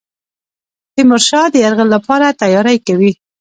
تیمورشاه د یرغل لپاره تیاری کوي.